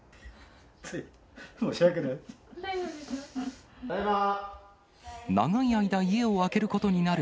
つい、申し訳ない。